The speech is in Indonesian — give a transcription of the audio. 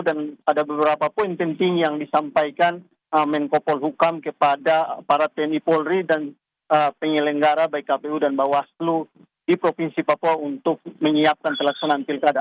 dan ada beberapa poin penting yang disampaikan menkopol hukam kepada para tni polri dan penyelenggara baik kpu dan bawaslu di provinsi papua untuk menyiapkan keleksonan pilkada